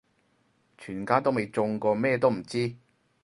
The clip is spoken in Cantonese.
全家都未中過咩都唔知